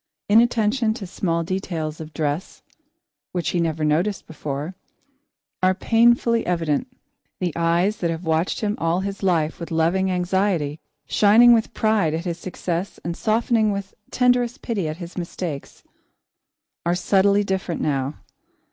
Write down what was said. Inattention to small details of dress, which he never noticed before, are painfully evident. The eyes that have watched him all his life with loving anxiety, shining with pride at his success and softening with tenderest pity at his mistakes, are subtly different now.